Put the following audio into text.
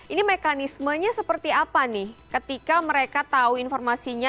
ini mekanismenya seperti apa nih ketika mereka tahu informasinya